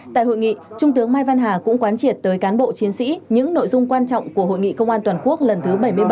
tại hội nghị trung tướng mai văn hà cũng quán triệt tới cán bộ chiến sĩ những nội dung quan trọng của hội nghị công an toàn quốc lần thứ bảy mươi bảy